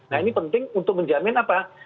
nah ini penting untuk menjamin apa